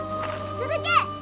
続け！